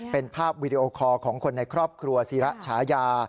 เป็นภาพวีดีโอคอร์ของคนในครอบครัวศิระฉายา